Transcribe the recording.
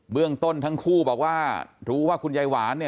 เรื่องต้นทั้งคู่บอกว่ารู้ว่าคุณยายหวานเนี่ย